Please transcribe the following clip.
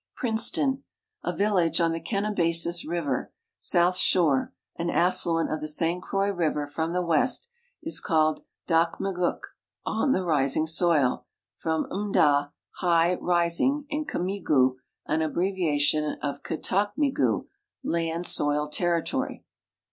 Princeton, a village on the Kennebasis river, .south shore (an atliuent of the St Croix river from the west), is called Mdakmfguk, "on the rising soil ;" from mda, " high, rising," and kmi'gu, an abbreviation of ktakmigu, " land, soil, territory."